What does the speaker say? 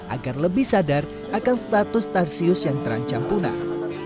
agar lebih sadar akan status tarsius yang terancam punah